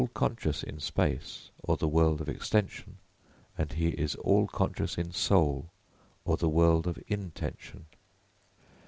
] He is all conscious in space, or the world of extension; and he is all conscious in soul, or the world of intension.